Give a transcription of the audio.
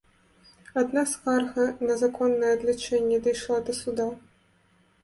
Адна скарга на незаконнае адлічэнне дайшла да суда.